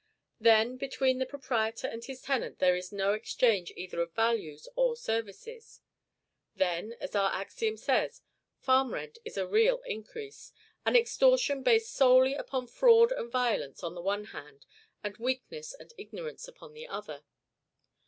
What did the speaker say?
Then, between the proprietor and his tenant there is no exchange either of values or services; then, as our axiom says, farm rent is real increase, an extortion based solely upon fraud and violence on the one hand, and weakness and ignorance upon the other.